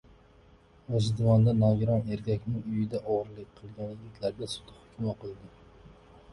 G‘ijduvonda nogiron erkakning uyida o‘g‘rilik qilgan yigitlarga sud hukmi o‘qildi